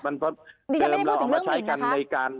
ดิฉันไม่ได้พูดถึงเรื่องหมิ่นนะคะ